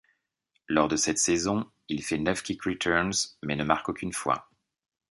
Lors de cette saison, il fait neuf kick return mais ne marque aucune fois.